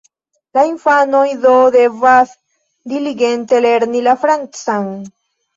La infanoj do devas diligente lerni la francan.